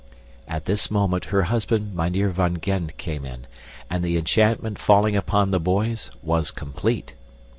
At this moment her husband Mynheer van Gend came in, and the enchantment falling upon the boys was complete.